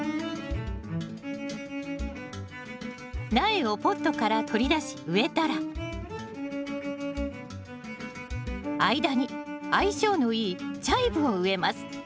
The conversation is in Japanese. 苗をポットから取り出し植えたら間に相性のいいチャイブを植えます